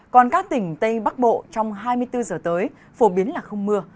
còn các tỉnh tây bắc bộ trong hai mươi bốn giờ tới phổ biến là không mưa